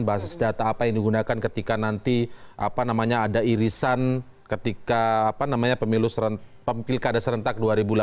basis data apa yang digunakan ketika nanti ada irisan ketika pilkada serentak dua ribu delapan belas